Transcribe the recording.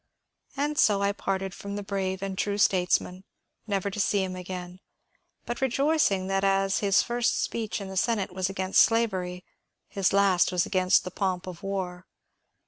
*' And so I parted from the brave and true statesman, never to see him again ; but rejoicing that as his first speech in the Senate was against slavery, his last was against the pomp of war.